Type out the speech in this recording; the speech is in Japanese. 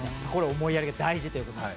思いやりが大事ということで。